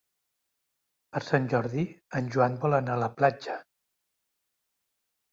Per Sant Jordi en Joan vol anar a la platja.